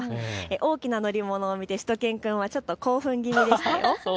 大きな乗り物を見てしゅと犬くんは少し興奮気味でしたよ。